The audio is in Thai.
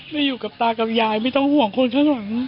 ได้อยู่กับตากับยายไม่ต้องห่วงคนข้างหลัง